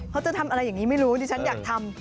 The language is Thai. เขาจะทำอะไรอย่างนี้ไม่รู้ดิฉันอยากทำ